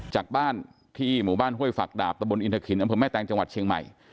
จากบ้านที่หมู่บ้านห้วยฝักดาบตะบนอินทะขินอำเภอแม่แตงจังหวัดเชียงใหม่